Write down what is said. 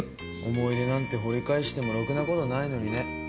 思い出なんて掘り返してもロクなことないのにね。